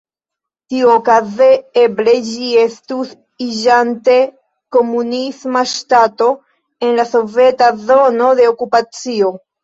Tiuokaze, eble ĝi estus iĝante komunisma ŝtato en la soveta zono de okupacio.